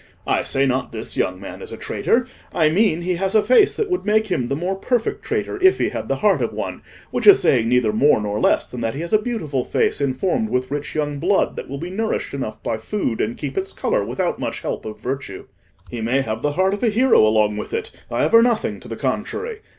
I say not this young man is a traitor: I mean, he has a face that would make him the more perfect traitor if he had the heart of one, which is saying neither more nor less than that he has a beautiful face, informed with rich young blood, that will be nourished enough by food, and keep its colour without much help of virtue. He may have the heart of a hero along with it; I aver nothing to the contrary.